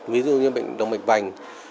ví dụ như bệnh đồng mạch vành